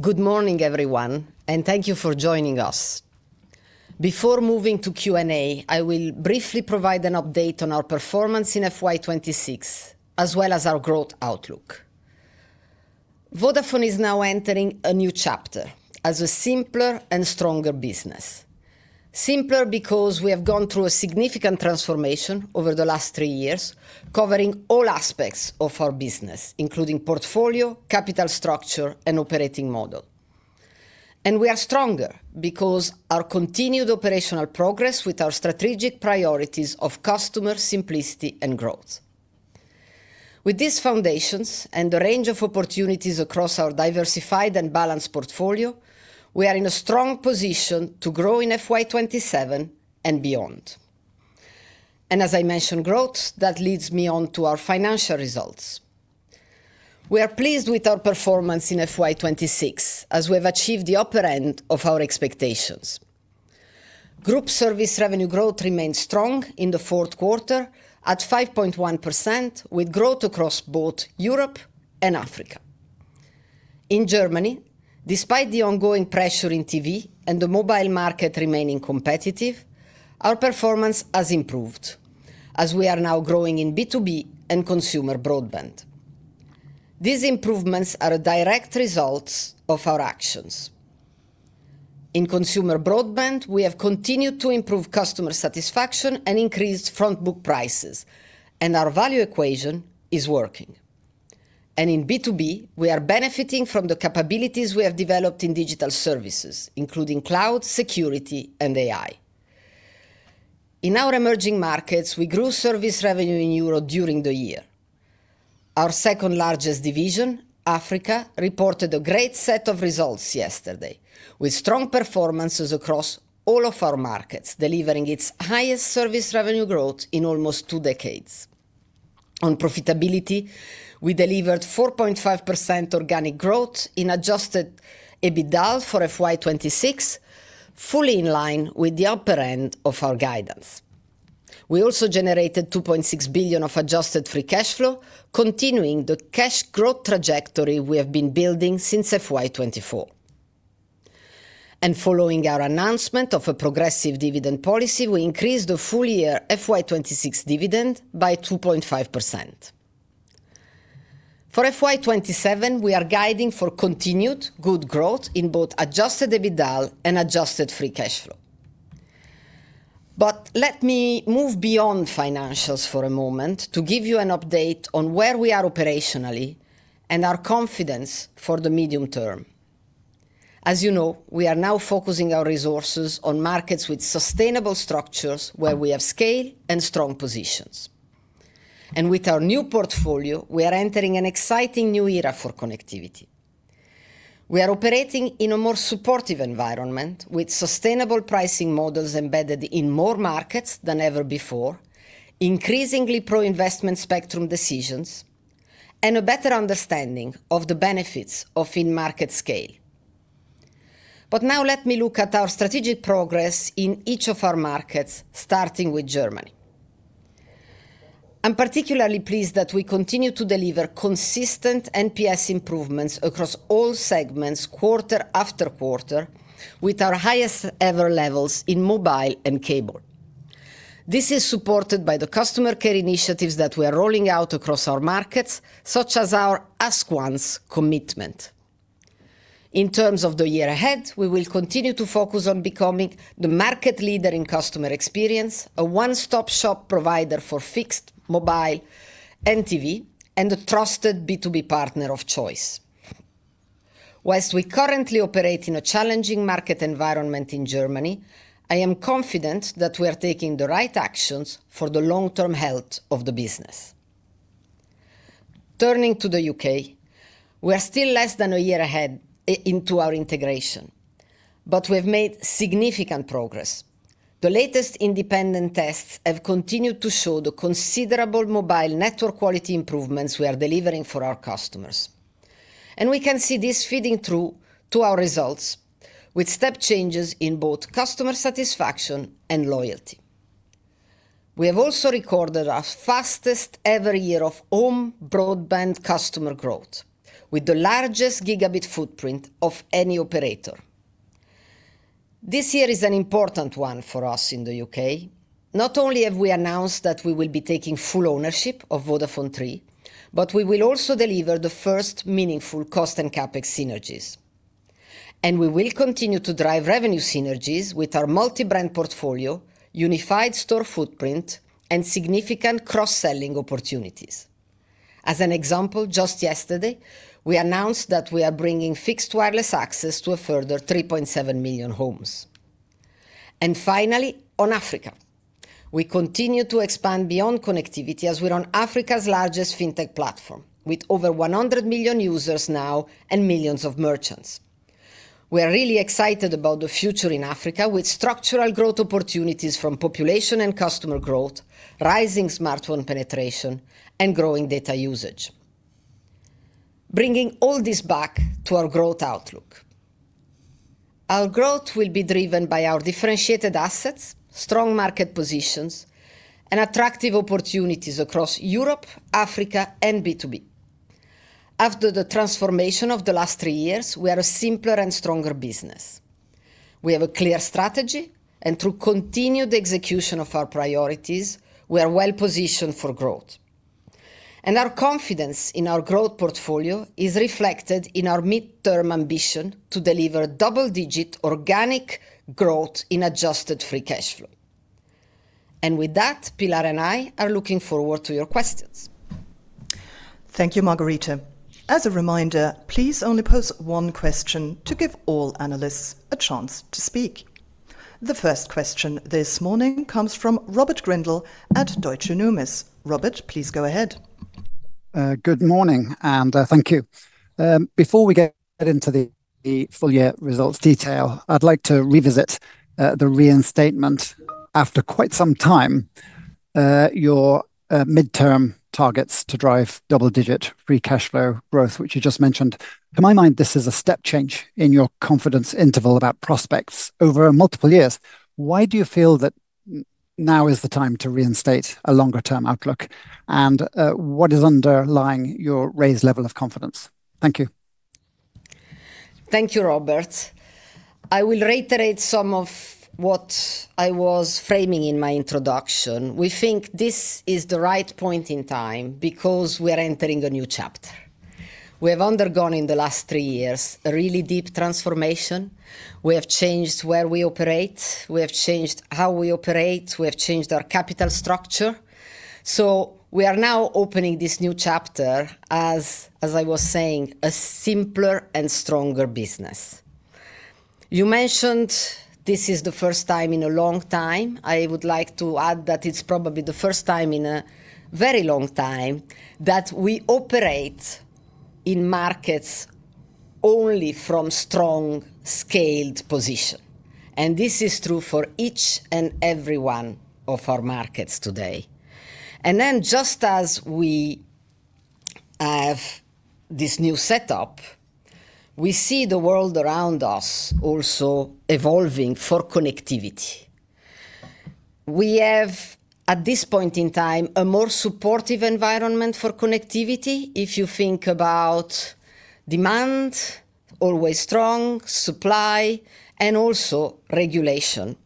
Good morning, everyone. Thank you for joining us. Before moving to Q&A, I will briefly provide an update on our performance in FY 2026, as well as our growth outlook. Vodafone is now entering a new chapter as a simpler and stronger business. Simpler because we have gone through a significant transformation over the last three years, covering all aspects of our business, including portfolio, capital structure, and operating model. We are stronger because our continued operational progress with our strategic priorities of customer simplicity and growth. With these foundations and the range of opportunities across our diversified and balanced portfolio, we are in a strong position to grow in FY 2027 and beyond. As I mentioned growth, that leads me on to our financial results. We are pleased with our performance in FY 2026, as we have achieved the upper end of our expectations. Group service revenue growth remains strong in the fourth quarter at 5.1%, with growth across both Europe and Africa. In Germany, despite the ongoing pressure in TV and the mobile market remaining competitive, our performance has improved as we are now growing in B2B and consumer broadband. These improvements are a direct result of our actions. In consumer broadband, we have continued to improve customer satisfaction and increased front book prices, and our value equation is working. In B2B, we are benefiting from the capabilities we have developed in digital services, including cloud, security, and AI. In our emerging markets, we grew service revenue in euro during the year. Our second-largest division, Africa, reported a great set of results yesterday, with strong performances across all of our markets, delivering its highest service revenue growth in almost two decades. On profitability, we delivered 4.5% organic growth in adjusted EBITDA for FY 2026, fully in line with the upper end of our guidance. We also generated 2.6 billion of adjusted free cash flow, continuing the cash growth trajectory we have been building since FY 2024. Following our announcement of a progressive dividend policy, we increased the full year FY 2026 dividend by 2.5%. For FY 2027, we are guiding for continued good growth in both adjusted EBITDA and adjusted free cash flow. Let me move beyond financials for a moment to give you an update on where we are operationally and our confidence for the medium term. As you know, we are now focusing our resources on markets with sustainable structures where we have scale and strong positions. With our new portfolio, we are entering an exciting new era for connectivity. We are operating in a more supportive environment with sustainable pricing models embedded in more markets than ever before, increasingly pro-investment spectrum decisions, and a better understanding of the benefits of in-market scale. Now let me look at our strategic progress in each of our markets, starting with Germany. I'm particularly pleased that we continue to deliver consistent NPS improvements across all segments quarter after quarter with our highest ever levels in mobile and cable. This is supported by the customer care initiatives that we are rolling out across our markets, such as our Ask Once commitment. In terms of the year ahead, we will continue to focus on becoming the market leader in customer experience, a one-stop shop provider for fixed, mobile, and TV, and a trusted B2B partner of choice. Whilst we currently operate in a challenging market environment in Germany, I am confident that we are taking the right actions for the long-term health of the business. Turning to the U.K., we are still less than a year ahead into our integration, but we have made significant progress. The latest independent tests have continued to show the considerable mobile network quality improvements we are delivering for our customers. We can see this feeding through to our results with step changes in both customer satisfaction and loyalty. We have also recorded our fastest ever year of home broadband customer growth with the largest gigabit footprint of any operator. This year is an important one for us in the U.K. Not only have we announced that we will be taking full ownership of VodafoneThree, but we will also deliver the first meaningful cost and CapEx synergies. We will continue to drive revenue synergies with our multi-brand portfolio, unified store footprint, and significant cross-selling opportunities. As an example, just yesterday, we announced that we are bringing fixed wireless access to a further 3.7 million homes. Finally, on Africa, we continue to expand beyond connectivity as we run Africa's largest fintech platform with over 100 million users now and millions of merchants. We are really excited about the future in Africa with structural growth opportunities from population and customer growth, rising smartphone penetration, and growing data usage. Bringing all this back to our growth outlook. Our growth will be driven by our differentiated assets, strong market positions, and attractive opportunities across Europe, Africa, and B2B. After the transformation of the last three years, we are a simpler and stronger business. We have a clear strategy, through continued execution of our priorities, we are well positioned for growth. Our confidence in our growth portfolio is reflected in our midterm ambition to deliver double-digit organic growth in adjusted free cash flow. With that, Pilar and I are looking forward to your questions. Thank you, Margherita. As a reminder, please only pose one question to give all analysts a chance to speak. The first question this morning comes from Robert Grindle at Deutsche Numis. Robert, please go ahead. Good morning, and thank you. Before we get into the full year results detail, I'd like to revisit the reinstatement after quite some time. Your midterm targets to drive double-digit free cash flow growth, which you just mentioned. In my mind, this is a step change in your confidence interval about prospects over multiple years. Why do you feel that now is the time to reinstate a longer term outlook? What is underlying your raised level of confidence? Thank you. Thank you, Robert. I will reiterate some of what I was framing in my introduction. We think this is the right point in time because we are entering a new chapter. We have undergone in the last three years a really deep transformation. We have changed where we operate, we have changed how we operate, we have changed our capital structure. We are now opening this new chapter as I was saying, a simpler and stronger business. You mentioned this is the first time in a long time. I would like to add that it's probably the first time in a very long time that we operate in markets only from strong scaled position, and this is true for each and every one of our markets today. Just as we have this new setup, we see the world around us also evolving for connectivity. We have, at this point in time, a more supportive environment for connectivity. If you think about demand, always strong, supply, and also regulation.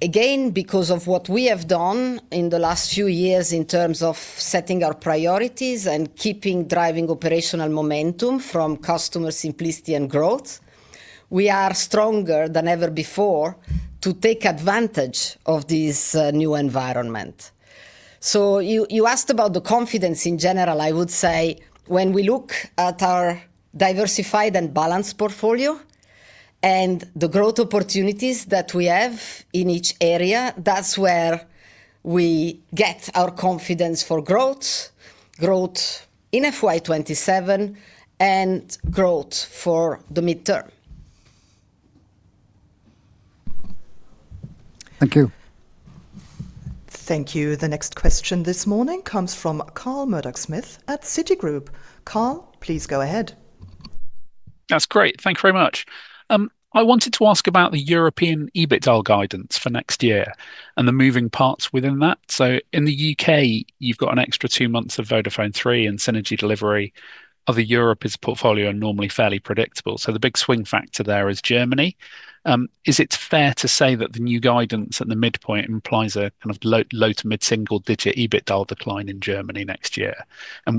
Again, because of what we have done in the last few years in terms of setting our priorities and keeping driving operational momentum from customer simplicity and growth, we are stronger than ever before to take advantage of this new environment. You asked about the confidence in general. I would say when we look at our diversified and balanced portfolio and the growth opportunities that we have in each area, that's where we get our confidence for growth. Growth in FY 2027 and growth for the midterm. Thank you. Thank you. The next question this morning comes from Carl Murdock-Smith at Citigroup. Carl, please go ahead. That's great. Thank you very much. I wanted to ask about the European EBITDA guidance for next year and the moving parts within that. In the U.K., you've got an extra two months of VodafoneThree and synergy delivery. Other Europe is portfolio and normally fairly predictable. The big swing factor there is Germany. Is it fair to say that the new guidance at the midpoint implies a kind of low to mid-single-digit EBITDA decline in Germany next year?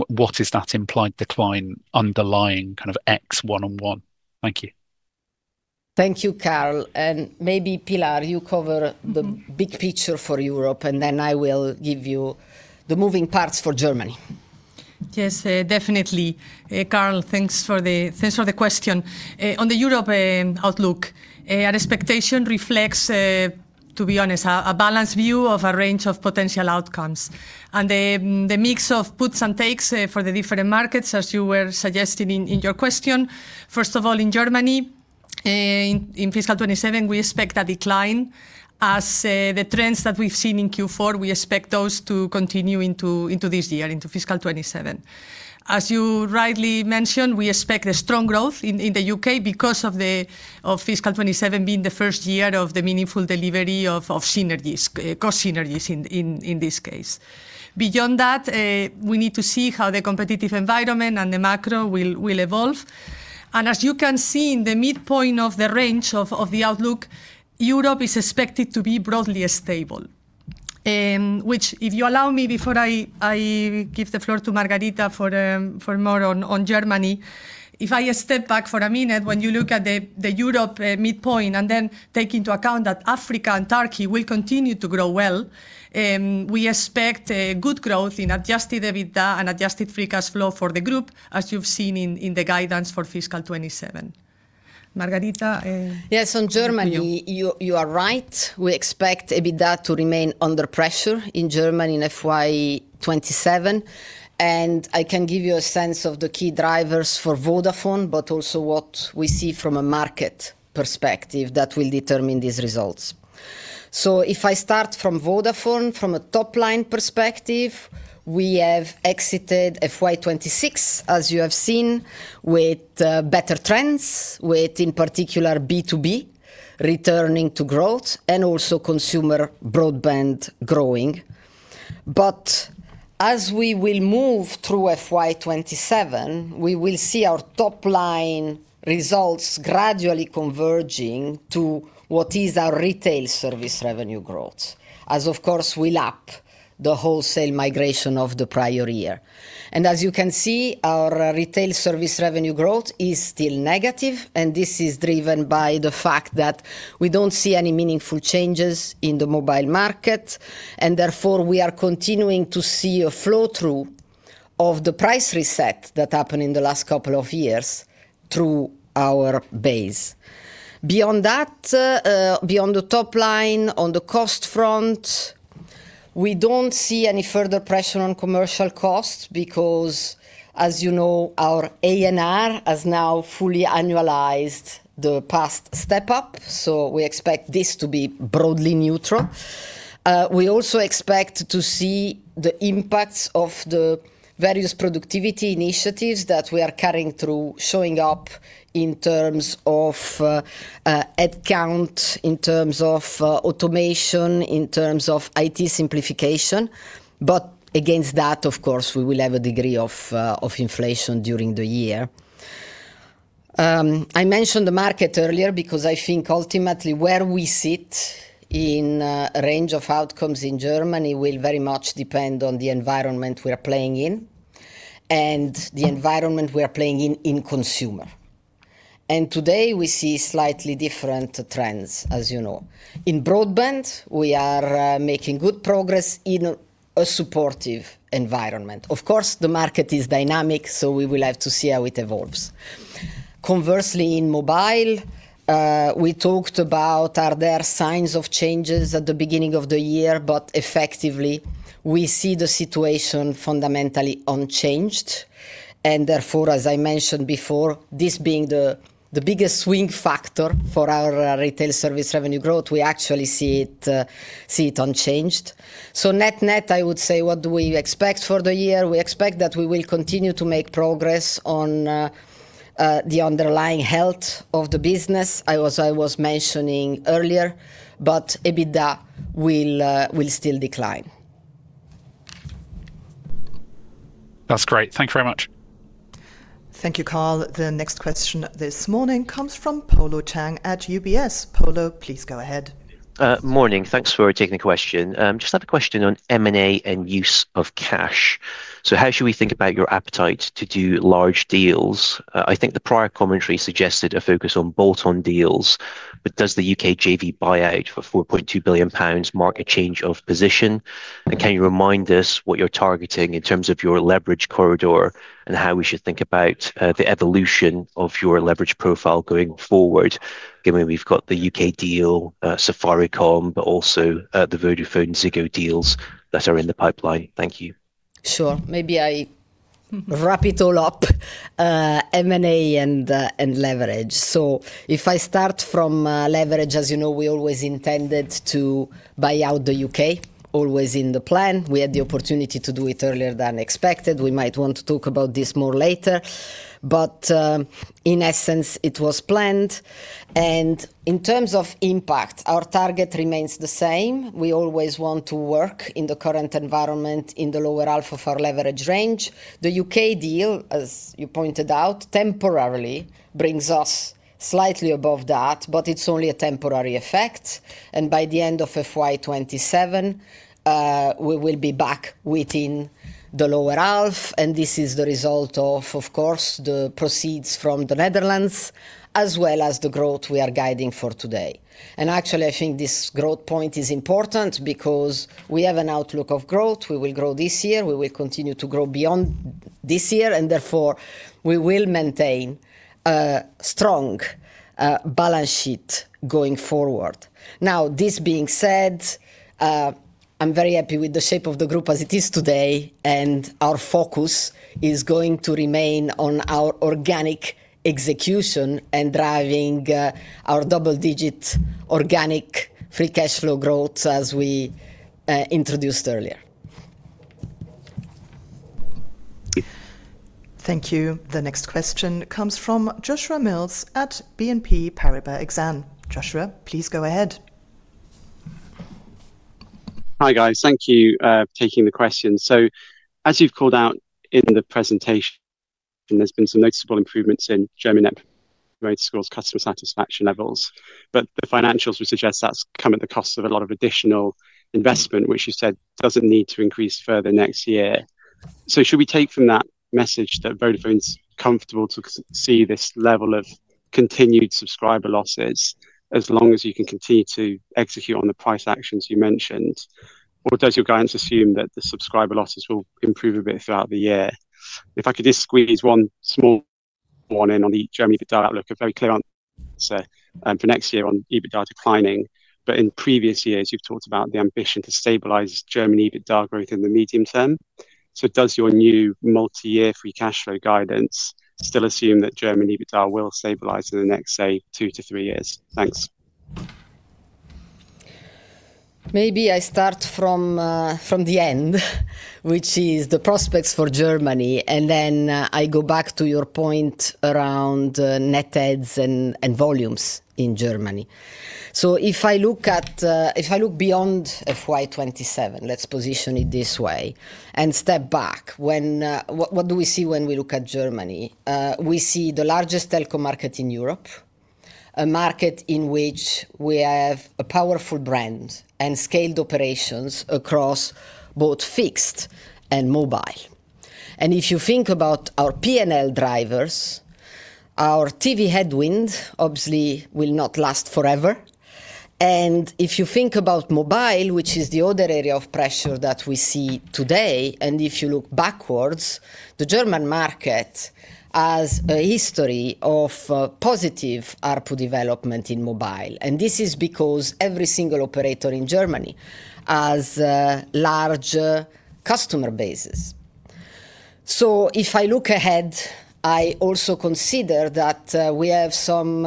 What is that implied decline underlying kind of X 1&1? Thank you. Thank you, Carl. Maybe Pilar, you cover the big picture for Europe, and then I will give you the moving parts for Germany. Yes, definitely. Carl, thanks for the question. On the Europe outlook, our expectation reflects, to be honest, a balanced view of a range of potential outcomes and the mix of puts and takes for the different markets as you were suggesting in your question. First of all, in Germany, in FY 2027, we expect a decline. As the trends that we've seen in Q4, we expect those to continue into this year, into FY 2027. As you rightly mentioned, we expect a strong growth in the U.K. because of FY 2027 being the first year of the meaningful delivery of synergies, cost synergies in this case. Beyond that, we need to see how the competitive environment and the macro will evolve. As you can see in the midpoint of the range of the outlook, Europe is expected to be broadly stable. Which if you allow me before I give the floor to Margherita for more on Germany. If I step back for a minute, when you look at the Europe midpoint and then take into account that Africa and Turkey will continue to grow well, we expect a good growth in adjusted EBITDA and adjusted free cash flow for the group as you've seen in the guidance for FY 2027. Margherita. Yes, on Germany. Over to you. You are right. We expect EBITDA to remain under pressure in Germany in FY 2027. I can give you a sense of the key drivers for Vodafone, but also what we see from a market perspective that will determine these results. If I start from Vodafone from a top line perspective, we have exited FY 2026 as you have seen with better trends, with in particular B2B returning to growth and also consumer broadband growing. As we will move through FY 2027, we will see our top line results gradually converging to what is our retail service revenue growth. As of course we lap the wholesale migration of the prior year. As you can see, our retail service revenue growth is still negative, and this is driven by the fact that we don't see any meaningful changes in the mobile market and therefore we are continuing to see a flow-through of the price reset that happened in the last couple of years through our base. Beyond that, beyond the top line on the cost front, we don't see any further pressure on commercial costs because as you know, our A&R has now fully annualized the past step up, so we expect this to be broadly neutral. We also expect to see the impacts of the various productivity initiatives that we are carrying through, showing up in terms of head count, in terms of automation, in terms of IT simplification. Against that of course we will have a degree of inflation during the year. I mentioned the market earlier because I think ultimately where we sit in a range of outcomes in Germany will very much depend on the environment we are playing in and the environment we are playing in in consumer. Today we see slightly different trends as you know. In broadband we are making good progress in a supportive environment. Of course, the market is dynamic, so we will have to see how it evolves. Conversely in mobile, we talked about are there signs of changes at the beginning of the year, but effectively we see the situation fundamentally unchanged and therefore as I mentioned before, this being the biggest swing factor for our retail service revenue growth, we actually see it, see it unchanged. Net-net, I would say what we expect for the year, we expect that we will continue to make progress on the underlying health of the business as I was mentioning earlier. EBITDA will still decline. That's great. Thank you very much. Thank you, Carl. The next question this morning comes from Polo Tang at UBS. Polo, please go ahead. Morning. Thanks for taking the question. Just have a question on M&A and use of cash. How should we think about your appetite to do large deals? I think the prior commentary suggested a focus on bolt-on deals. Does the U.K. JV buyout for 4.2 billion pounds mark a change of position? Can you remind us what you're targeting in terms of your leverage corridor, and how we should think about the evolution of your leverage profile going forward, given we've got the U.K. deal, Safaricom, but also the VodafoneZiggo deals that are in the pipeline. Thank you. Sure. Maybe I wrap it all up. M&A and leverage. If I start from leverage, as you know, we always intended to buy out the U.K., always in the plan. We had the opportunity to do it earlier than expected. We might want to talk about this more later. In essence, it was planned. In terms of impact, our target remains the same. We always want to work in the current environment in the lower half of our leverage range. The U.K. deal, as you pointed out, temporarily brings us slightly above that, but it's only a temporary effect, and by the end of FY 2027, we will be back within the lower half, and this is the result of course, the proceeds from the Netherlands as well as the growth we are guiding for today. Actually, I think this growth point is important because we have an outlook of growth. We will grow this year, we will continue to grow beyond this year and therefore we will maintain a strong balance sheet going forward. This being said, I'm very happy with the shape of the group as it is today, and our focus is going to remain on our organic execution and driving our double-digit organic free cash flow growth as we introduced earlier. Thank you. The next question comes from Joshua Mills at BNP Paribas Exane. Joshua, please go ahead. Hi guys. Thank you for taking the question. As you've called out in the presentation, there's been some noticeable improvements in German Net Promoter Scores customer satisfaction levels. The financials would suggest that's come at the cost of a lot of additional investment, which you said doesn't need to increase further next year. Should we take from that message that Vodafone's comfortable to see this level of continued subscriber losses as long as you can continue to execute on the price actions you mentioned? Does your guidance assume that the subscriber losses will improve a bit throughout the year? If I could just squeeze one small one in on the Germany EBITDA outlook, a very clear answer for next year on EBITDA declining. In previous years you've talked about the ambition to stabilize Germany EBITDA growth in the medium term. Does your new multi-year free cash flow guidance still assume that Germany EBITDA will stabilize in the next, say, two to three years? Thanks. Maybe I start from from the end, which is the prospects for Germany, and then I go back to your point around net adds and volumes in Germany. If I look at if I look beyond FY 2027, let's position it this way, and step back, when What do we see when we look at Germany? We see the largest telco market in Europe, a market in which we have a powerful brand and scaled operations across both fixed and mobile. If you think about our P&L drivers, our TV headwind obviously will not last forever. If you think about mobile, which is the other area of pressure that we see today, if you look backwards, the German market has a history of positive ARPU development in mobile, and this is because every single operator in Germany has large customer bases. If I look ahead, I also consider that we have some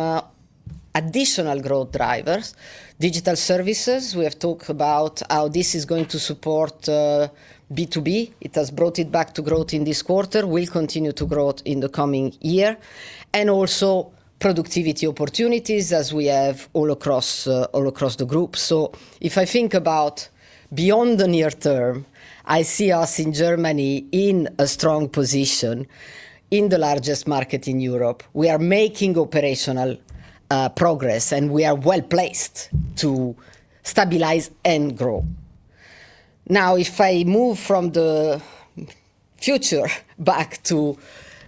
additional growth drivers. Digital services, we have talked about how this is going to support B2B. It has brought it back to growth in this quarter. We continue to grow it in the coming year, and also productivity opportunities as we have all across all across the Group. If I think about beyond the near term, I see us in Germany in a strong position in the largest market in Europe. We are making operational progress, and we are well-placed to stabilize and grow. Now, if I move from the future back to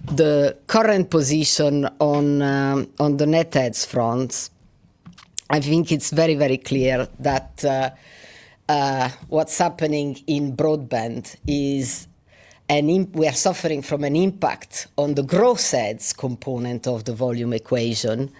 the current position on the net adds front, I think it's very, very clear that what's happening in broadband is we are suffering from an impact on the gross adds component of the volume equation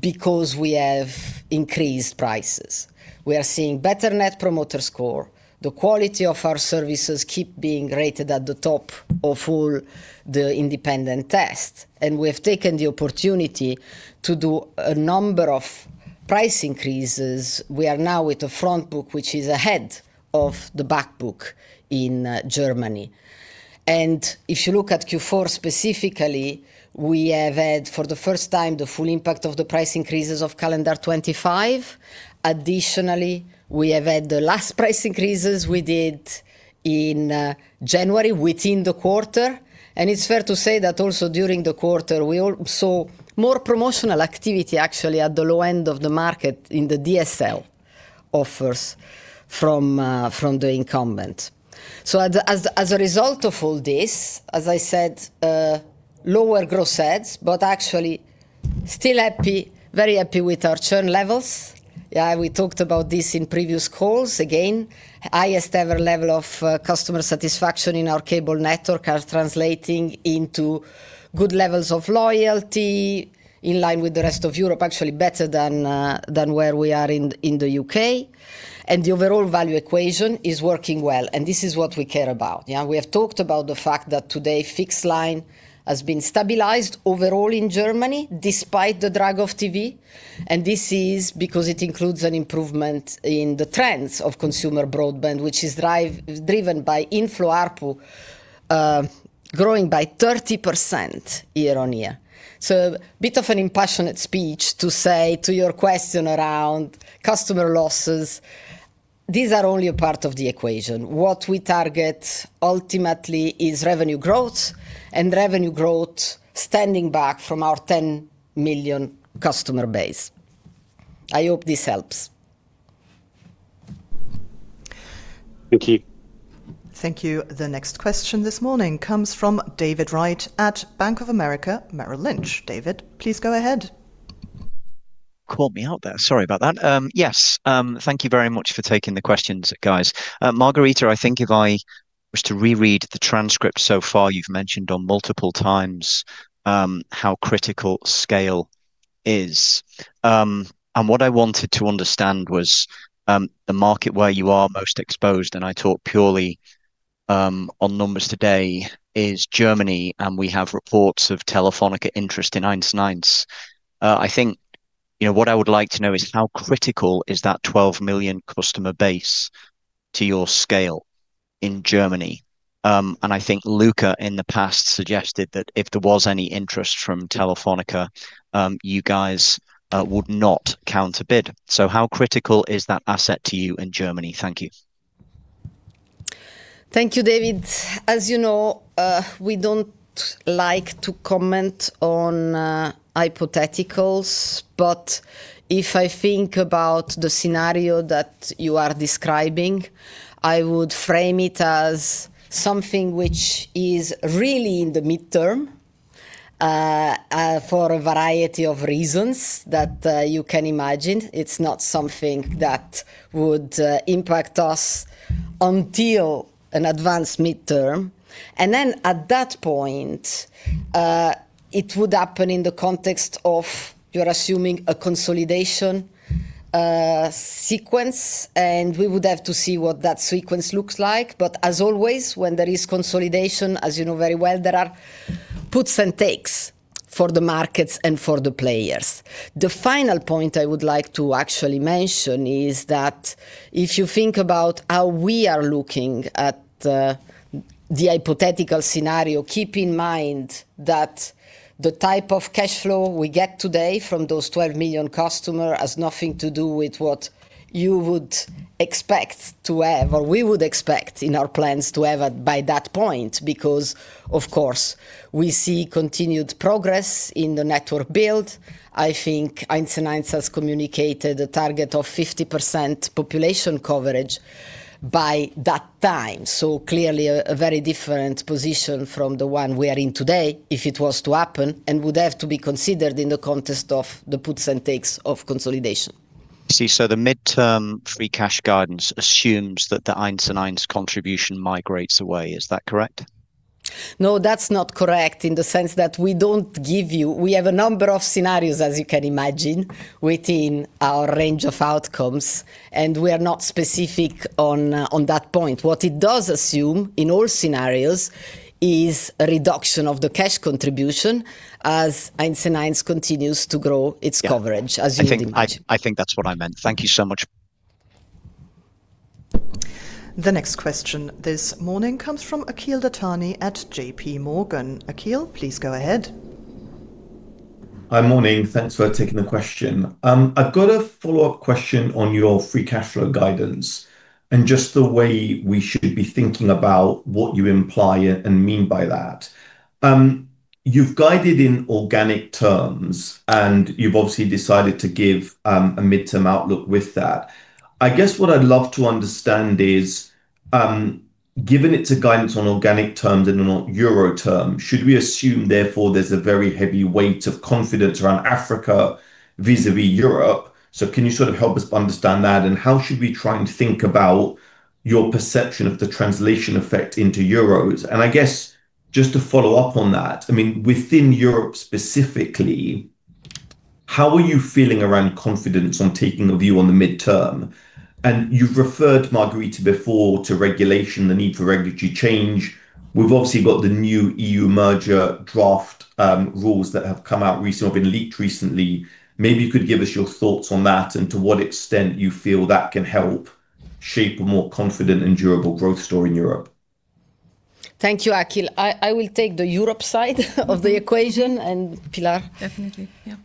because we have increased prices. We are seeing better Net Promoter Score. The quality of our services keep being rated at the top of all the independent tests. We have taken the opportunity to do a number of price increases. We are now with a front book which is ahead of the back book in Germany. If you look at Q4 specifically, we have had for the first time the full impact of the price increases of calendar 2025. Additionally, we have had the last price increases we did in January within the quarter. It's fair to say that also during the quarter we saw more promotional activity actually at the low end of the market in the DSL offers from the incumbent. As a result of all this, as I said, lower gross adds, but actually still happy, very happy with our churn levels. Yeah, we talked about this in previous calls. Again, highest ever level of customer satisfaction in our cable network are translating into good levels of loyalty in line with the rest of Europe, actually better than where we are in the U.K. The overall value equation is working well, and this is what we care about. We have talked about the fact that today fixed line has been stabilized overall in Germany despite the drag of TV, and this is because it includes an improvement in the trends of consumer broadband, which is driven by inflow ARPU, growing by 30% year-on-year. Bit of an impassionate speech to say to your question around customer losses, these are only a part of the equation. What we target ultimately is revenue growth and revenue growth standing back from our 10 million customer base. I hope this helps. Thank you. Thank you. The next question this morning comes from David Wright at Bank of America Merrill Lynch. David, please go ahead. Called me out there. Sorry about that. Yes, thank you very much for taking the questions, guys. Margherita, I think if I was to reread the transcript so far, you've mentioned on multiple times how critical scale is. What I wanted to understand was the market where you are most exposed, and I talk purely on numbers today is Germany, and we have reports of Telefónica interest in 1&1. I think, you know, what I would like to know is how critical is that 12 million customer base to your scale in Germany. I think Luka in the past suggested that if there was any interest from Telefónica, you guys would not counterbid. How critical is that asset to you in Germany? Thank you. Thank you, David. As you know, we don't like to comment on hypotheticals. If I think about the scenario that you are describing, I would frame it as something which is really in the midterm for a variety of reasons that you can imagine. It's not something that would impact us until an advanced midterm. Then at that point, it would happen in the context of you're assuming a consolidation sequence, and we would have to see what that sequence looks like. As always, when there is consolidation, as you know very well, there are puts and takes. For the markets and for the players. The final point I would like to actually mention is that if you think about how we are looking at the hypothetical scenario, keep in mind that the type of cash flow we get today from those 12 million customer has nothing to do with what you would expect to have, or we would expect in our plans to have by that point. Of course, we see continued progress in the network build. I think 1&1 has communicated a target of 50% population coverage by that time. Clearly a very different position from the one we are in today if it was to happen, and would have to be considered in the context of the puts and takes of consolidation. See, the midterm free cash guidance assumes that the 1&1 contribution migrates away. Is that correct? No, that's not correct in the sense that We have a number of scenarios, as you can imagine, within our range of outcomes, and we are not specific on that point. What it does assume in all scenarios is a reduction of the cash contribution as 1&1 continues to grow its coverage, as you'd imagine. Yeah. I think, I think that's what I meant. Thank you so much. The next question this morning comes from Akhil Dattani at JPMorgan. Akhil, please go ahead. Hi. Morning. Thanks for taking the question. I've got a follow-up question on your adjusted free cash flow guidance and just the way we should be thinking about what you imply and mean by that. You've guided in organic terms, and you've obviously decided to give a midterm outlook with that. I guess what I'd love to understand is, given it's a guidance on organic terms and not Euro terms, should we assume therefore there's a very heavy weight of confidence around Africa vis-a-vis Europe? Can you sort of help us understand that, and how should we try and think about your perception of the translation effect into Euros? I guess just to follow up on that, I mean, within Europe specifically, how are you feeling around confidence on taking a view on the midterm? You've referred, Margherita, before to regulation, the need for regulatory change. We've obviously got the new draft EU Merger draft rules that have come out recently or been leaked recently. Maybe you could give us your thoughts on that and to what extent you feel that can help shape a more confident and durable growth story in Europe. Thank you, Akhil. I will take the Europe side of the equation, and Pilar. Definitely. Yeah.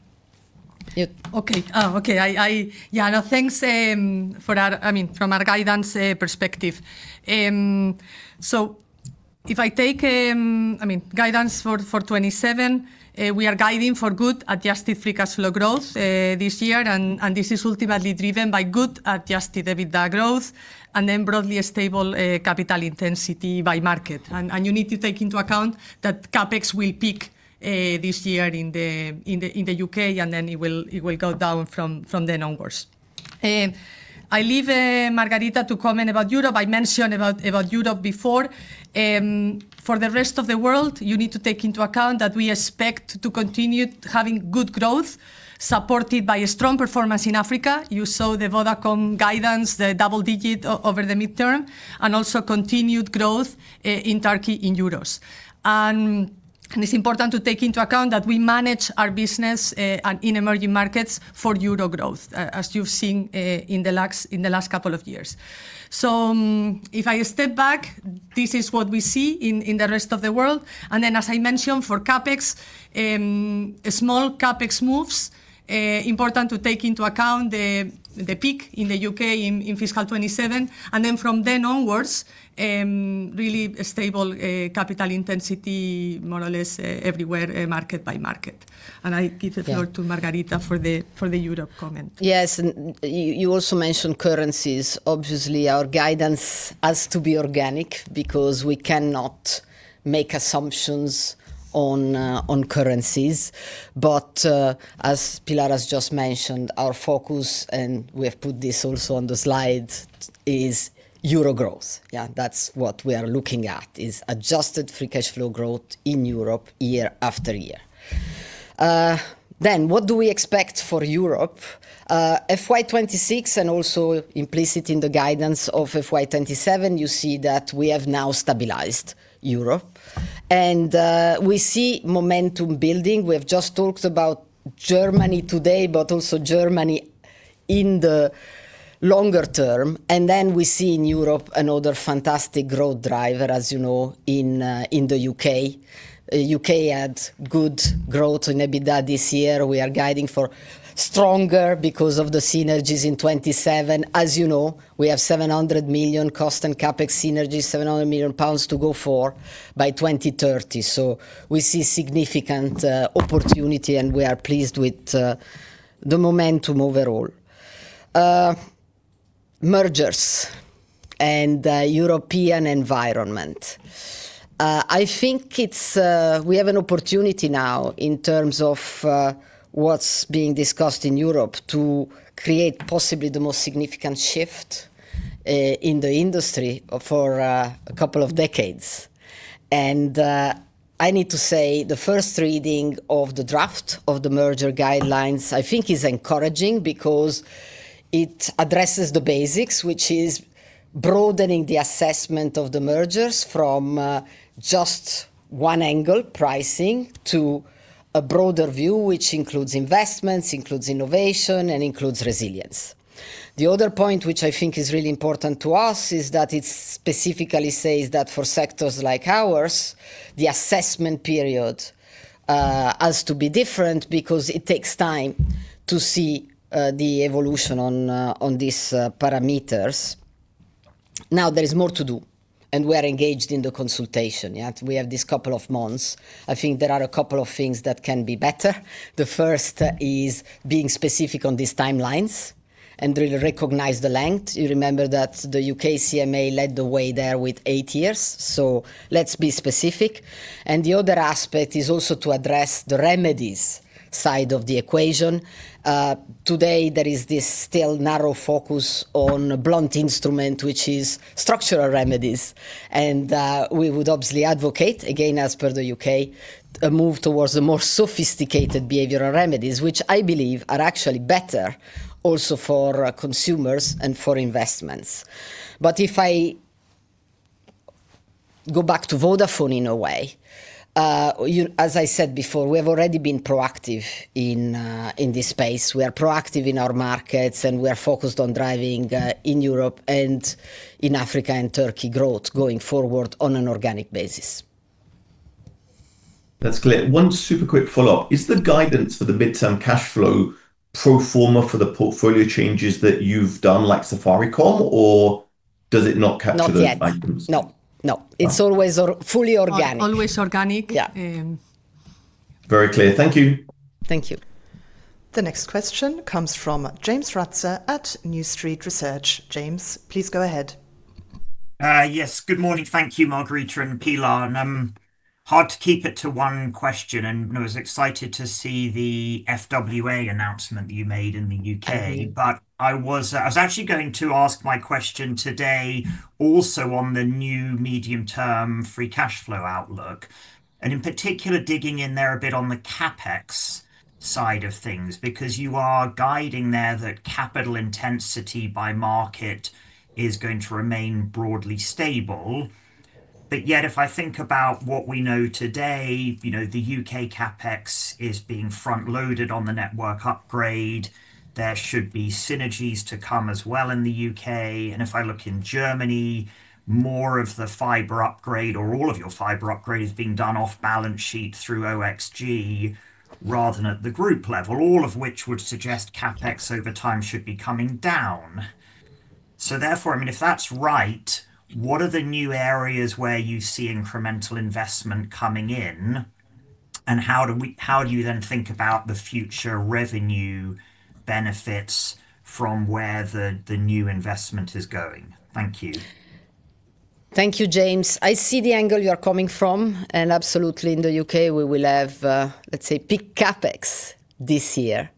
Yeah. Okay. Oh, okay. I Yeah, no, thanks, I mean, from our guidance perspective. If I take, I mean, guidance for 2027, we are guiding for good adjusted free cash flow growth this year. This is ultimately driven by good adjusted EBITDA growth and then broadly a stable capital intensity by market. You need to take into account that CapEx will peak this year in the U.K., and then it will go down from then onwards. I leave Margherita to comment about Europe. I mentioned about Europe before. For the rest of the world, you need to take into account that we expect to continue having good growth supported by a strong performance in Africa. You saw the Vodafone guidance, the double-digit over the midterm, also continued growth in Turkey in euros. It's important to take into account that we manage our business on emerging markets for euro growth, as you've seen in the last couple of years. If I step back, this is what we see in the rest of the world. As I mentioned, for CapEx, small CapEx moves. Important to take into account the peak in the U.K. in fiscal 2027. From then onwards, really a stable capital intensity more or less everywhere, market by market. I give the floor. Yeah to Margherita for the Europe comment. Yes. You also mentioned currencies. Obviously, our guidance has to be organic because we cannot make assumptions on currencies. As Pilar has just mentioned, our focus, and we have put this also on the slide, is euro growth. Yeah, that's what we are looking at, is adjusted free cash flow growth in Europe year after year. What do we expect for Europe? FY 2026 and also implicit in the guidance of FY 2027, you see that we have now stabilized Europe. We see momentum building. We have just talked about Germany today, but also Germany in the longer term. We see in Europe another fantastic growth driver, as you know, in the U.K. U.K. had good growth in EBITDA this year. We are guiding for stronger because of the synergies in 2027. As you know, we have 700 million cost and CapEx synergies, 700 million pounds to go for by 2030. We see significant opportunity, and we are pleased with the momentum overall. Mergers and European environment. I think it's we have an opportunity now in terms of what's being discussed in Europe to create possibly the most significant shift in the industry for a couple of decades. I need to say the first reading of the draft Merger Guidelines I think is encouraging because it addresses the basics, which is broadening the assessment of the mergers from just one angle, pricing, to a broader view, which includes investments, includes innovation, and includes resilience. The other point which I think is really important to us is that it specifically says that for sectors like ours, the assessment period has to be different because it takes time to see the evolution on these parameters. There is more to do, and we are engaged in the consultation, yeah. We have this couple of months. I think there are a couple of things that can be better. The first is being specific on these timelines and really recognize the length. You remember that the U.K. CMA led the way there with eight years. Let's be specific. The other aspect is also to address the remedies side of the equation. Today there is this still narrow focus on a blunt instrument, which is structural remedies. We would obviously advocate, again as per the U.K., a move towards the more sophisticated behavioral remedies, which I believe are actually better also for our consumers and for investments. If I go back to Vodafone in a way, you As I said before, we have already been proactive in this space. We are proactive in our markets, and we are focused on driving in Europe and in Africa and Turkey growth going forward on an organic basis. That's clear. One super quick follow-up. Is the guidance for the midterm cashflow pro forma for the portfolio changes that you've done, like Safaricom, or does it not capture those items? Not yet. No, no. Okay. It's always or fully organic. Always organic. Yeah. Very clear. Thank you. Thank you. The next question comes from James Ratzer at New Street Research. James, please go ahead. Yes. Good morning. Thank you, Margherita and Pilar. Hard to keep it to one question, and I was excited to see the FWA announcement that you made in the U.K. I was actually going to ask my question today also on the new medium term free cash flow outlook, and in particular digging in there a bit on the CapEx side of things because you are guiding there that capital intensity by market is going to remain broadly stable. Yet if I think about what we know today, you know, the U.K. CapEx is being front-loaded on the network upgrade. There should be synergies to come as well in the U.K. If I look in Germany, more of the fiber upgrade or all of your fiber upgrade is being done off balance sheet through OXG rather than at the group level, all of which would suggest CapEx over time should be coming down. Therefore, I mean, if that's right, what are the new areas where you see incremental investment coming in, and how do you then think about the future revenue benefits from where the new investment is going? Thank you. Thank you, James. I see the angle you're coming from, absolutely in the U.K. we will have, let's say, peak CapEx this year.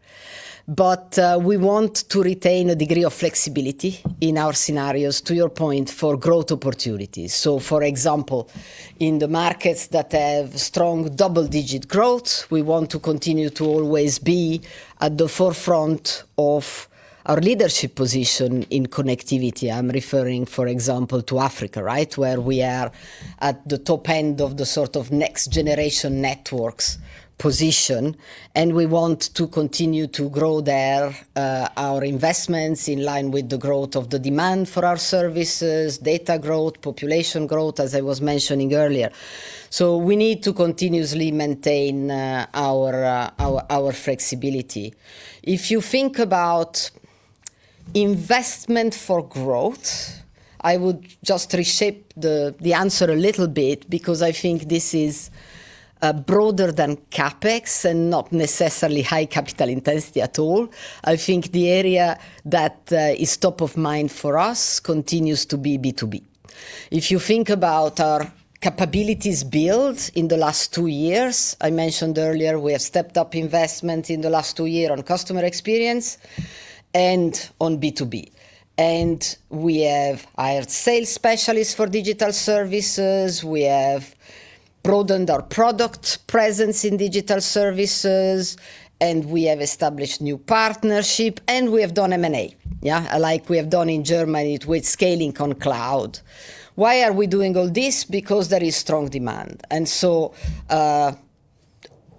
We want to retain a degree of flexibility in our scenarios, to your point, for growth opportunities. For example, in the markets that have strong double-digit growth, we want to continue to always be at the forefront of our leadership position in connectivity. I'm referring, for example, to Africa, right, where we are at the top end of the sort of next generation networks position and we want to continue to grow there, our investments in line with the growth of the demand for our services, data growth, population growth, as I was mentioning earlier. We need to continuously maintain our flexibility. If you think about investment for growth, I would just reshape the answer a little bit because I think this is broader than CapEx and not necessarily high capital intensity at all. I think the area that is top of mind for us continues to be B2B. If you think about our capabilities built in the last two years, I mentioned earlier we have stepped up investment in the last two year on customer experience and on B2B, and we have hired sales specialists for digital services, we have broadened our product presence in digital services, and we have established new partnership, and we have done M&A, yeah, like we have done in Germany with scaling on cloud. Why are we doing all this? Because there is strong demand.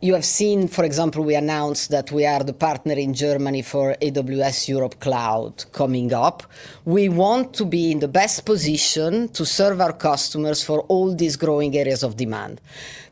You have seen, for example, we announced that we are the partner in Germany for AWS Europe Cloud coming up. We want to be in the best position to serve our customers for all these growing areas of demand.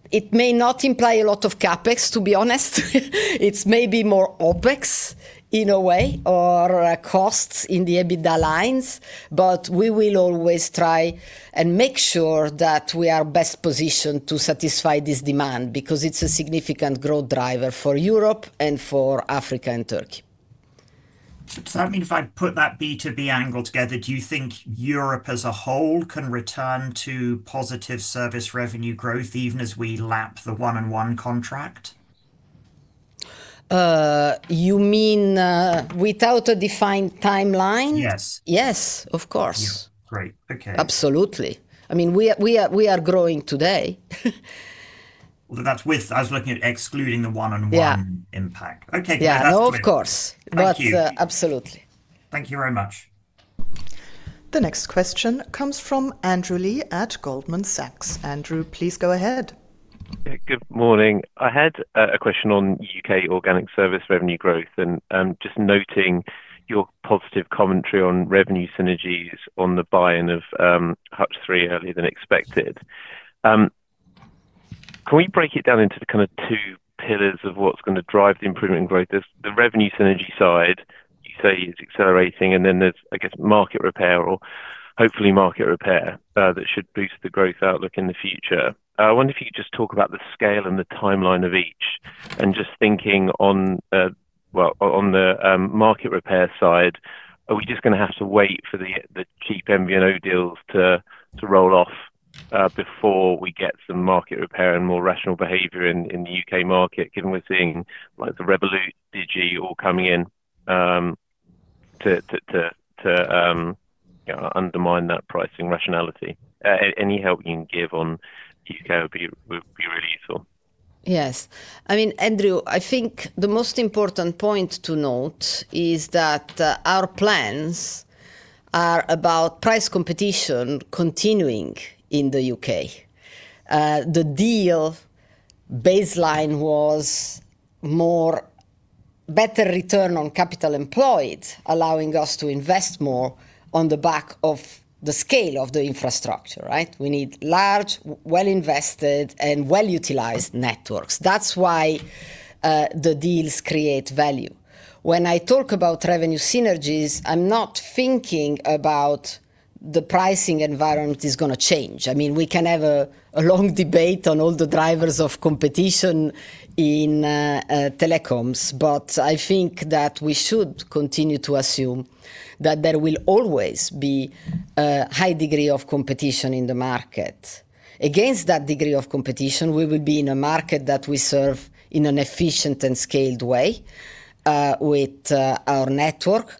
It may not imply a lot of CapEx, to be honest. It's maybe more OpEx in a way or costs in the EBITDA lines, but we will always try and make sure that we are best positioned to satisfy this demand because it's a significant growth driver for Europe and for Africa and Turkey. Does that mean if I put that B2B angle together, do you think Europe as a whole can return to positive service revenue growth even as we lap the 1&1 contract? you mean, without a defined timeline? Yes. Yes. Of course. Yeah. Great. Okay. Absolutely. I mean, we are growing today. Well, that's with I was looking at excluding the 1&1. Yeah impact. Okay. Yeah. That's clear. No, of course. Thank you. Absolutely. Thank you very much. The next question comes from Andrew Lee at Goldman Sachs. Andrew, please go ahead. Yeah. Good morning. I had a question on U.K. organic service revenue growth. Just noting your positive commentary on revenue synergies on the buy-in of Hutch Three earlier than expected. Can we break it down into the kind of two pillars of what's gonna drive the improvement in growth? There's the revenue synergy side you say is accelerating, and then there's, I guess, market repair or hopefully market repair, that should boost the growth outlook in the future. I wonder if you could just talk about the scale and the timeline of each. Just thinking on, well, on the market repair side, are we just gonna have to wait for the cheap MVNO deals to roll off before we get some market repair and more rational behavior in the U.K. market, given we're seeing like the Revolut, Digi all coming in to undermine that pricing rationality. Any help you can give on U.K. would be really useful. Yes. I mean, Andrew, I think the most important point to note is that our plans are about price competition continuing in the U.K. The deal baseline was more better return on capital employed, allowing us to invest more on the back of the scale of the infrastructure, right? We need large, well-invested, and well-utilized networks. That's why the deals create value. When I talk about revenue synergies, I'm not thinking about the pricing environment is gonna change. I mean, we can have a long debate on all the drivers of competition in telecoms. I think that we should continue to assume that there will always be a high degree of competition in the market. Against that degree of competition, we will be in a market that we serve in an efficient and scaled way with our network.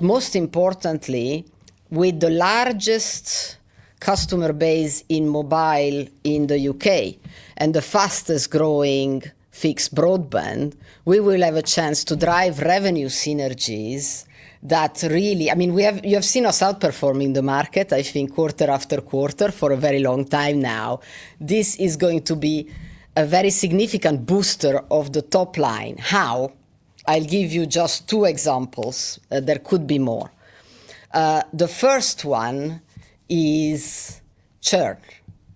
Most importantly, with the largest customer base in mobile in the U.K. and the fastest-growing fixed broadband, we will have a chance to drive revenue synergies that really I mean, you have seen us outperforming the market, I think, quarter after quarter for a very long time now. This is going to be a very significant booster of the top line. How? I'll give you just two examples. There could be more. The first one is churn.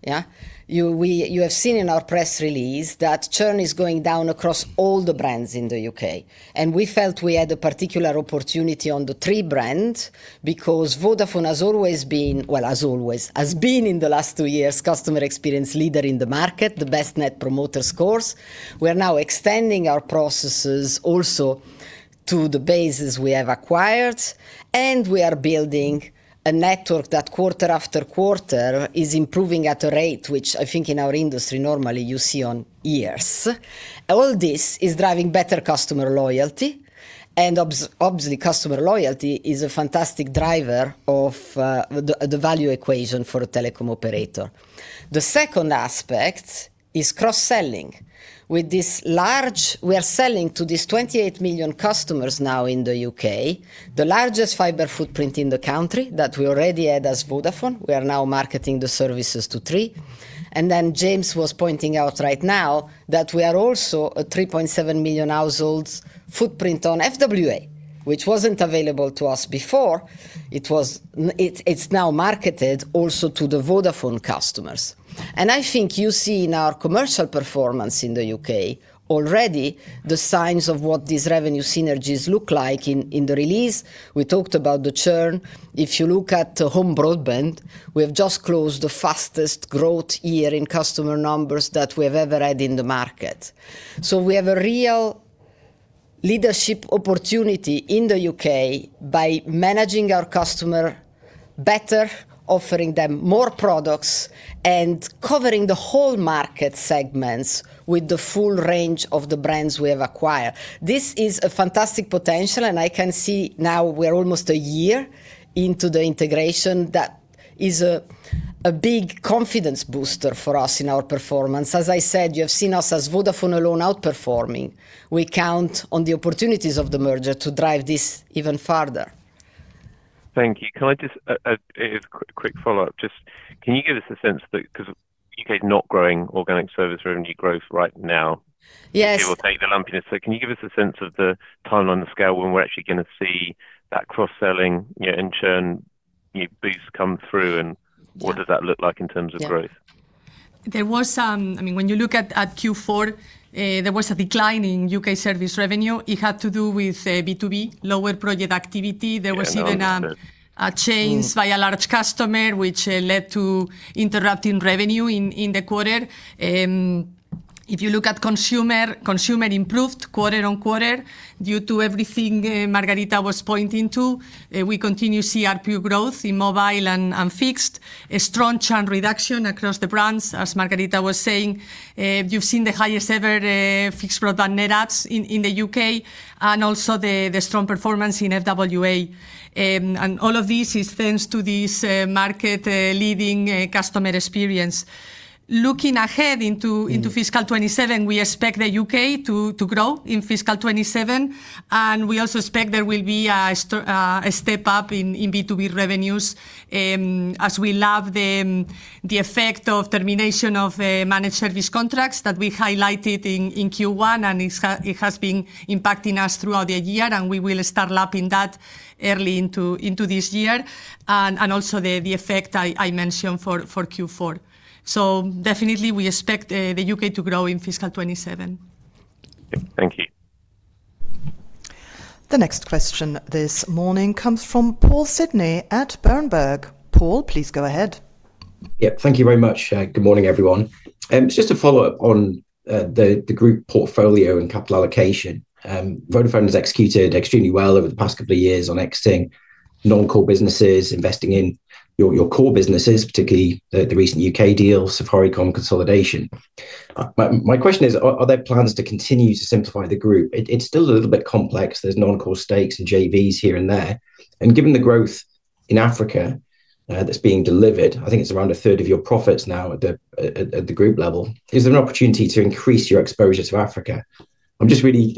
Yeah. You have seen in our press release that churn is going down across all the brands in the U.K., and we felt we had a particular opportunity on the Three brand because Vodafone has always been, well, as always, has been in the last two years, customer experience leader in the market, the best net promoter scores. We're now extending our processes also to the bases we have acquired, and we are building a network that quarter after quarter is improving at a rate which I think in our industry normally you see on years. All this is driving better customer loyalty, and obviously, customer loyalty is a fantastic driver of the value equation for a telecom operator. The second aspect is cross-selling. With this, we are selling to these 28 million customers now in the U.K., the largest fiber footprint in the country that we already had as Vodafone. We are now marketing the services to Three. James was pointing out right now that we are also a 3.7 million households footprint on FWA, which wasn't available to us before. It's now marketed also to the Vodafone customers. I think you see in our commercial performance in the U.K. already the signs of what these revenue synergies look like. In the release, we talked about the churn. If you look at the home broadband, we have just closed the fastest growth year in customer numbers that we have ever had in the market. We have a real leadership opportunity in the U.K. by managing our customer better, offering them more products, and covering the whole market segments with the full range of the brands we have acquired. This is a fantastic potential, and I can see now we're almost a year into the integration that is a big confidence booster for us in our performance. As I said, you have seen us as Vodafone alone outperforming. We count on the opportunities of the merger to drive this even further. Thank you. Can I just quick follow-up? Just can you give us a sense that because U.K. is not growing organic service revenue growth right now? Yes It will take the lumpiness. Can you give us a sense of the timeline and scale when we're actually gonna see that cross-selling, you know, in churn, you know, boost come through, and what does that look like in terms of growth? Yeah. There was, I mean, when you look at Q4, there was a decline in U.K. service revenue. It had to do with B2B, lower project activity. Yeah. No, understood. There was even a change via large customer, which led to interrupting revenue in the quarter. If you look at consumer improved quarter-on-quarter due to everything Margherita was pointing to. We continue to see ARPU growth in mobile and fixed. A strong churn reduction across the brands, as Margherita was saying. You've seen the highest ever fixed product net adds in the U.K., and also the strong performance in FWA. And all of this is thanks to this market-leading customer experience. Looking ahead into fiscal 2027, we expect the U.K. to grow in fiscal 2027. We also expect there will be a step up in B2B revenues. As we lap the effect of termination of managed service contracts that we highlighted in Q1, it has been impacting us throughout the year. We will start lapping that early into this year. Also the effect I mentioned for Q4. Definitely we expect the U.K. to grow in fiscal 2027. Thank you. The next question this morning comes from Paul Sidney at Berenberg. Paul, please go ahead. Yeah. Thank you very much. Good morning, everyone. Just a follow-up on the group portfolio and capital allocation. Vodafone has executed extremely well over the past couple of years on exiting non-core businesses, investing in your core businesses, particularly the recent U.K. deal, Safaricom consolidation. My question is, are there plans to continue to simplify the group? It's still a little bit complex. There's non-core stakes and JVs here and there, and given the growth in Africa that's being delivered, I think it's around a third of your profits now at the group level. Is there an opportunity to increase your exposure to Africa? I'm just really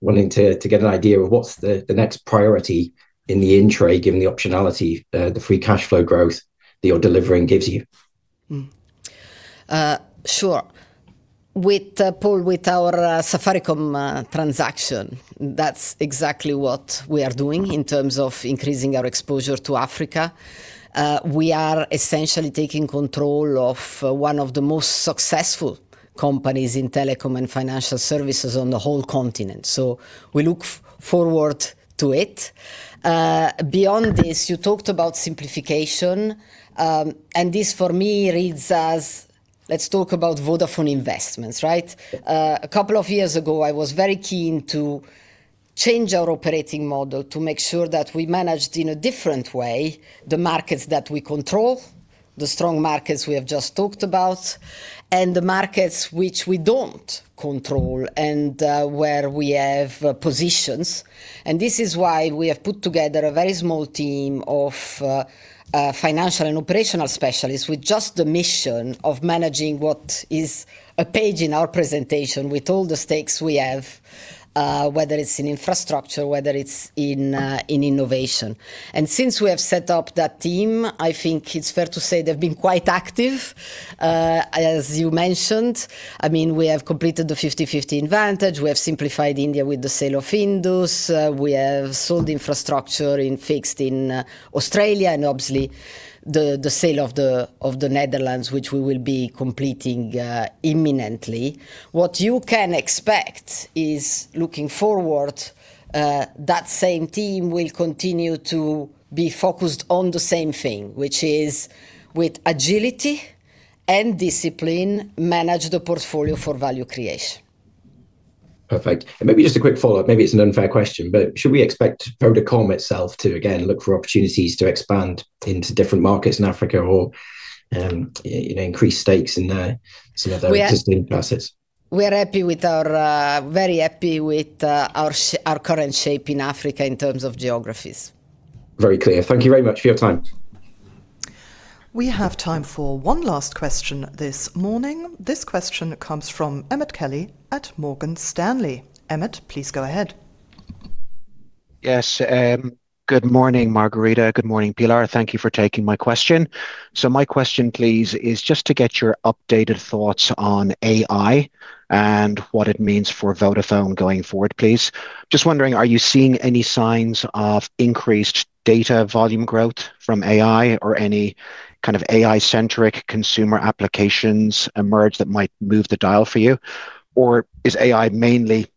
wanting to get an idea of what's the next priority in the in tray, given the optionality, the free cash flow growth that you're delivering gives you. Sure. With Paul, with our Safaricom transaction, that's exactly what we are doing in terms of increasing our exposure to Africa. We are essentially taking control of one of the most successful companies in telecom and financial services on the whole continent, so we look forward to it. Beyond this, you talked about simplification. This for me reads as let's talk about Vodafone Investments, right? A couple of years ago, I was very keen to change our operating model to make sure that we managed in a different way the markets that we control, the strong markets we have just talked about, and the markets which we don't control and where we have positions. This is why we have put together a very small team of financial and operational specialists with just the mission of managing what is a page in our presentation with all the stakes we have, whether it's in infrastructure, whether it's in innovation. Since we have set up that team, I think it's fair to say they've been quite active, as you mentioned. I mean, we have completed the 50/50 in Vantage. We have simplified India with the sale of Indus. We have sold infrastructure in fixed in Australia and obviously the sale of the Netherlands, which we will be completing imminently. What you can expect is looking forward, that same team will continue to be focused on the same thing, which is with agility and discipline, manage the portfolio for value creation. Perfect. Maybe just a quick follow-up. Maybe it's an unfair question, but should we expect Vodacom itself to again look for opportunities to expand into different markets in Africa or, you know, increase stakes in some of their existing assets? We are very happy with our current shape in Africa in terms of geographies. Very clear. Thank you very much for your time. We have time for one last question this morning. This question comes from Emmet Kelly at Morgan Stanley. Emmet, please go ahead. Yes. Good morning, Margherita. Good morning, Pilar. Thank you for taking my question. My question please is just to get your updated thoughts on AI and what it means for Vodafone going forward, please. Just wondering, are you seeing any signs of increased data volume growth from AI or any kind of AI-centric consumer applications emerge that might move the dial for you? Or is AI mainly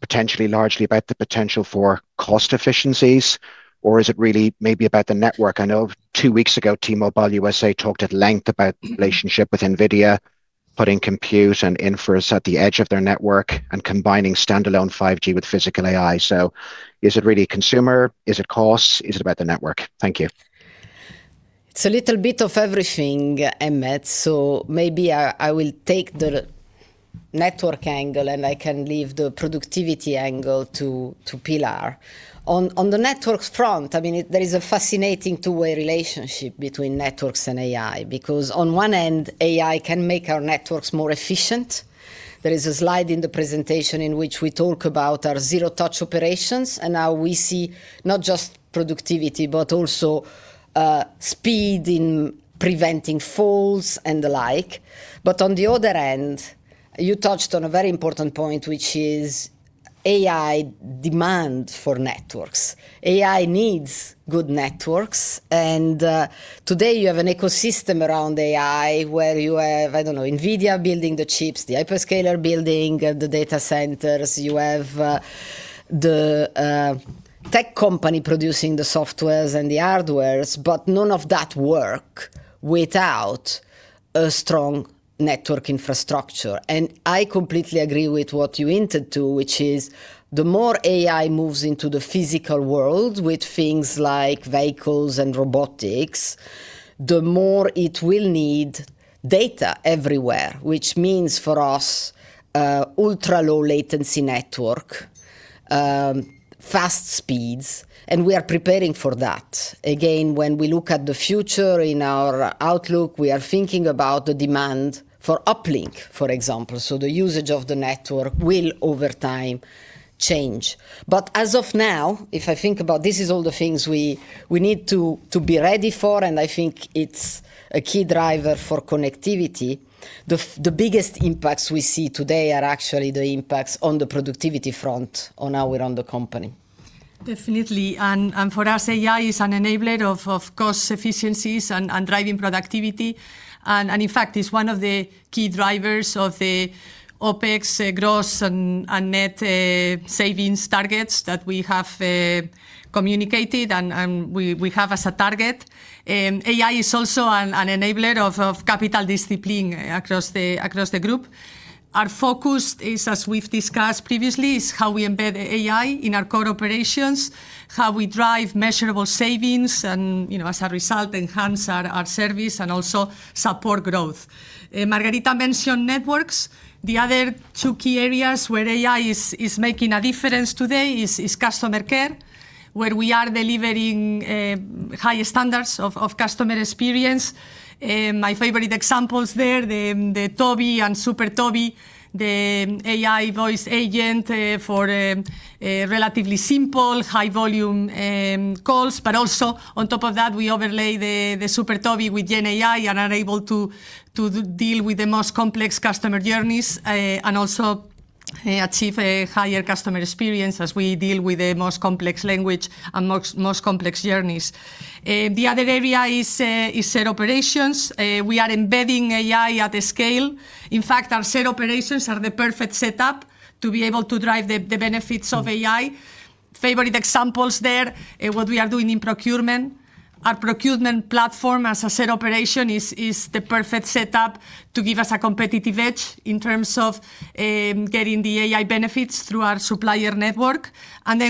potentially largely about the potential for cost efficiencies, or is it really maybe about the network? I know two weeks ago, T-Mobile U.S. talked at length about the relationship with NVIDIA, putting compute and inference at the edge of their network and combining standalone 5G with physical AI. Is it really consumer? Is it cost? Is it about the network? Thank you. It's a little bit of everything, Emmet, so maybe I will take the network angle, and I can leave the productivity angle to Pilar. On the networks front, I mean, there is a fascinating two-way relationship between networks and AI because on one end, AI can make our networks more efficient. There is a slide in the presentation in which we talk about our zero touch operations and how we see not just productivity, but also speed in preventing faults and the like. On the other end, you touched on a very important point, which is AI demand for networks. AI needs good networks, and today you have an ecosystem around AI where you have, I don't know, NVIDIA building the chips, the hyperscaler building the data centers. You have the tech company producing the software and the hardware, but none of that works without a strong network infrastructure. I completely agree with what you hinted to, which is the more AI moves into the physical world with things like vehicles and robotics, the more it will need data everywhere. Which means for us, ultra-low latency network, fast speeds, and we are preparing for that. When we look at the future in our outlook, we are thinking about the demand for uplink, for example. The usage of the network will over time change. As of now, if I think about this is all the things we need to be ready for, and I think it's a key driver for connectivity. The biggest impacts we see today are actually the impacts on the productivity front on the company. Definitely. For us, AI is an enabler of cost efficiencies and driving productivity. In fact is one of the key drivers of the OpEx, gross and net savings targets that we have communicated and we have as a target. AI is also an enabler of capital discipline across the group. Our focus is, as we've discussed previously, is how we embed AI in our core operations, how we drive measurable savings, and, you know, as a result enhance our service and also support growth. Margherita mentioned networks. The other two key areas where AI is making a difference today is customer care, where we are delivering higher standards of customer experience. My favorite examples there, the TOBi and SuperTOBi, the AI voice agent, for a relatively simple high-volume calls. Also on top of that, we overlay the SuperTOBi with GenAI and are able to deal with the most complex customer journeys and also achieve a higher customer experience as we deal with the most complex language and most complex journeys. The other area is shared operations. We are embedding AI at the scale. In fact, our shared operations are the perfect setup to be able to drive the benefits of AI. Favorite examples there, what we are doing in procurement. Our procurement platform, as I said, operation is the perfect setup to give us a competitive edge in terms of getting the AI benefits through our supplier network.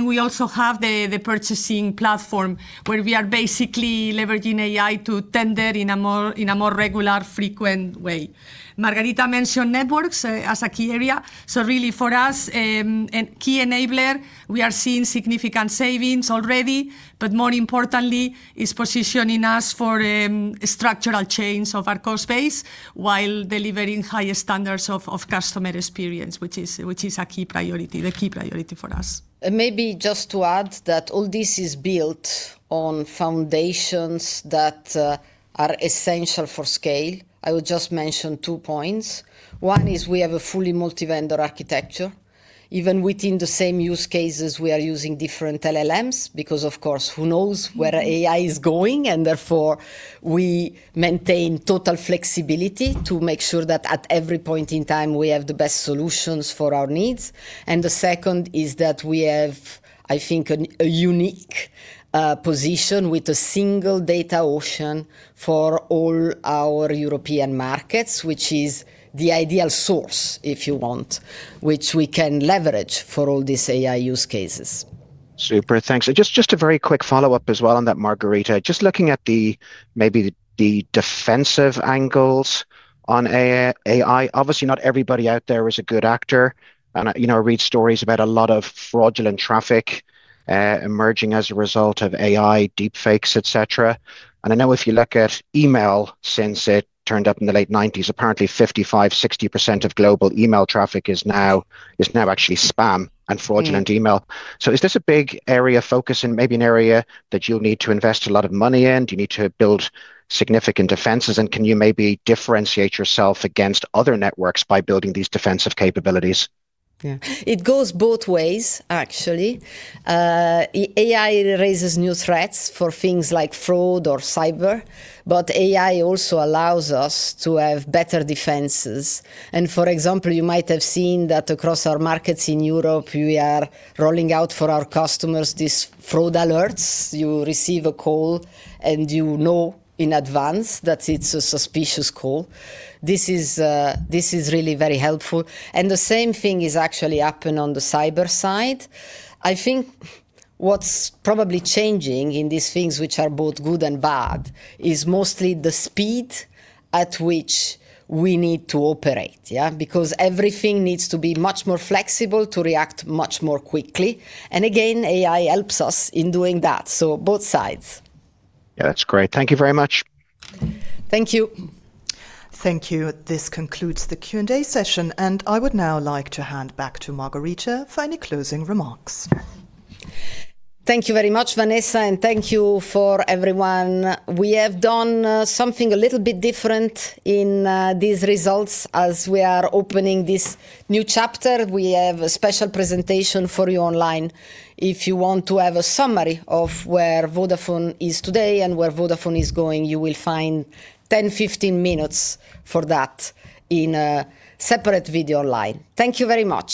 We also have the purchasing platform, where we are basically leveraging AI to tender in a more regular, frequent way. Margherita mentioned networks as a key area. Really for us, a key enabler. We are seeing significant savings already, but more importantly is positioning us for structural change of our cost base while delivering higher standards of customer experience, which is a key priority, the key priority for us. Maybe just to add that all this is built on foundations that are essential for scale. I would just mention two points. One is we have a fully multi-vendor architecture. Even within the same use cases we are using different LLMs because of course, who knows where AI is going, and therefore we maintain total flexibility to make sure that at every point in time we have the best solutions for our needs. The second is that we have, I think, a unique position with a single data ocean for all our European markets, which is the ideal source, if you want, which we can leverage for all these AI use cases. Super. Thanks. Just a very quick follow-up as well on that, Margherita. Just looking at the maybe the defensive angles on AI. Obviously, not everybody out there is a good actor, you know, read stories about a lot of fraudulent traffic emerging as a result of AI deepfakes, et cetera. I know if you look at email since it turned up in the late nineties, apparently 55%, 60% of global email traffic is now actually spam and fraudulent email. Yeah. Is this a big area of focus and maybe an area that you'll need to invest a lot of money in? Do you need to build significant defenses, and can you maybe differentiate yourself against other networks by building these defensive capabilities? Yeah. It goes both ways actually. AI raises new threats for things like fraud or cyber, but AI also allows us to have better defenses. For example, you might have seen that across our markets in Europe, we are rolling out for our customers these fraud alerts. You receive a call, and you know in advance that it's a suspicious call. This is really very helpful. The same thing is actually happen on the cyber side. I think what's probably changing in these things, which are both good and bad, is mostly the speed at which we need to operate. Yeah? Everything needs to be much more flexible to react much more quickly. Again, AI helps us in doing that. Both sides. Yeah, that's great. Thank you very much. Thank you. Thank you. This concludes the Q&A session, and I would now like to hand back to Margherita for any closing remarks. Thank you very much, Vanessa, and thank you for everyone. We have done something a little bit different in these results. As we are opening this new chapter, we have a special presentation for you online. If you want to have a summary of where Vodafone is today and where Vodafone is going, you will find 10, 15 minutes for that in a separate video online. Thank you very much.